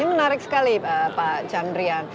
ini menarik sekali pak chandrian